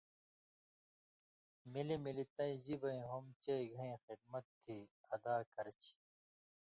ملیۡ ملیۡ تَیں ژِبَیں ہُم چئ گھَیں خِدمت تھی ادا کرہ چھی۔